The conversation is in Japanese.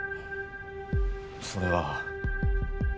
それは。